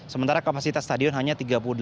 sementara kapasitas stadion hanya tiga puluh delapan